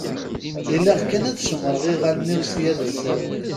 Ilaq kan ad cemṛeɣ iɣallen-iw sya d asawen.